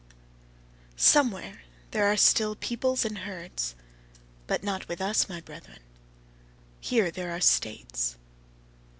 Somewhere there are still peoples and herds, but not with us, my brethren: here there are states.